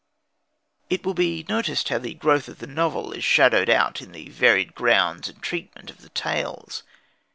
It will be noticed how the growth of the novel is shadowed out in the varied grounds and treatment of the tales.